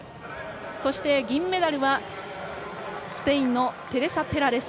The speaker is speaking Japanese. そして、銀メダルはスペインのテレサ・ペラレス。